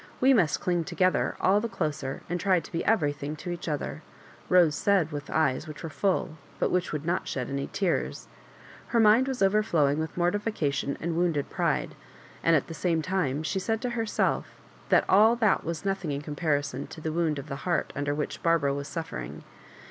"We must cling together all the closer, and try to be everything to each other," Rose said with eyes which were full, but which would not shed any.iears. Her mind was overflowing with mortification and wounded pride, and at the same time she said to herself that all that wias nothing in comparison to the wound of the heart under which Barbara was suffering.